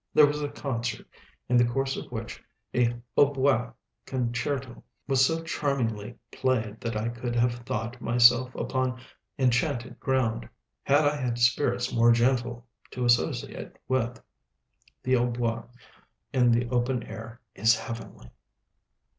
There was a concert, in the course of which a hautbois concerto was so charmingly played that I could have thought myself upon enchanted ground, had I had spirits more gentle to associate with. The hautbois in the open air is heavenly.